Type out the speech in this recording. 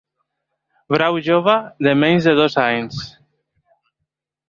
Brau jove, de menys de dos anys.